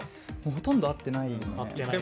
ほとんど会ってないよね。